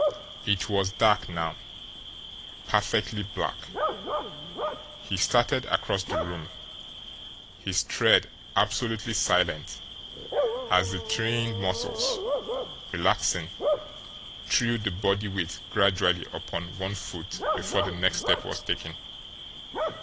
It was dark now, perfectly black. He started across the room, his tread absolutely silent as the trained muscles, relaxing, threw the body weight gradually upon one foot before the next step was taken.